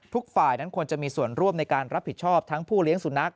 ทุกฝ่ายนั้นควรจะมีส่วนร่วมในการรับผิดชอบทั้งผู้เลี้ยงสุนัข